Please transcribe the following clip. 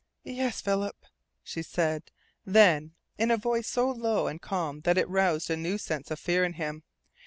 "Yes, Philip," she said then, in a voice so low and calm that it roused a new sense of fear in him.